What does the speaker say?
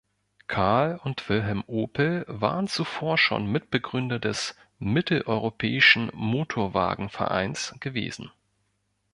Carl und Wilhelm Opel waren zuvor schon Mitbegründer des „Mitteleuropäischen Motorwagen-Vereins“ gewesen.